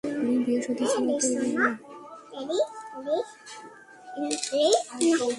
আমি বিয়ে-শাদির জন্য তৈরি না।